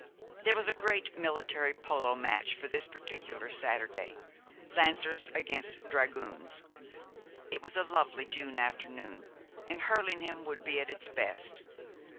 There was a great military polo match for this particular Saturday Lancers against Dragoons. It was a lovely June afternoon, and Hurlingham would be at its best.